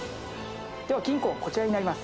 では金庫こちらになります。